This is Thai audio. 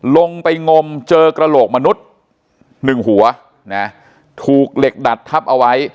ลงไปงมเจอกระโหลกมนุษย์หนึ่งหัวนะถูกเหล็กดัดทับเอาไว้